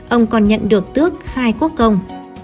ông còn nhận được tước khai quốc công